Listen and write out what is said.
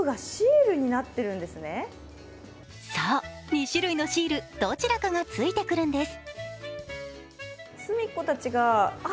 そう、２種類のシール、どちらかがついてくるんです。